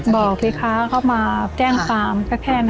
บอกสิคะเขามาแจ้งความก็แค่นั้น